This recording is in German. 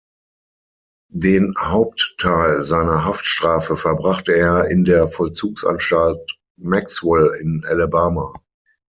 Den Hauptteil seiner Haftstrafe verbrachte er in der Vollzugsanstalt Maxwell in Alabama.